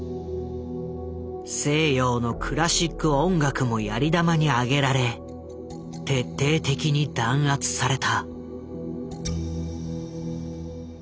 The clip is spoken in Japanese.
西洋のクラシック音楽もやり玉に挙げられ徹底的に弾圧された。